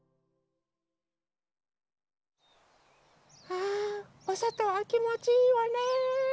あおそとはきもちいいわね。